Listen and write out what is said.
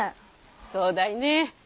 そうだいねぇ。